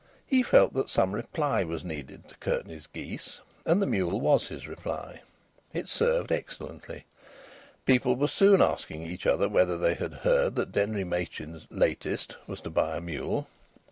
He felt that some reply was needed to Curtenty's geese, and the mule was his reply. It served excellently. People were soon asking each other whether they had heard that Denry Machin's "latest" was to buy a mule.